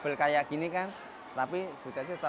mereka harus memiliki kemampuan untuk berkembang